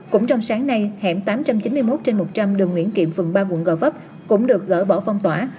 cũng trong sáng nay hẻm tám trăm chín mươi một trên một trăm linh đường nguyễn kiệm phường ba quận gò vấp cũng được gỡ bỏ phong tỏa